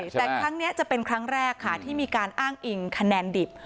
แต่ครั้งนี้จะเป็นครั้งแรกค่ะที่มีการอ้างอิงคะแนนดิบ